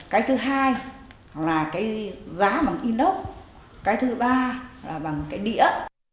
cái thứ hai là cái giá bằng inox cái thứ ba là bằng cái đĩa